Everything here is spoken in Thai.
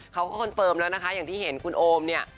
คอนเฟิร์มแล้วนะคะอย่างที่เห็นคุณโอมเนี่ย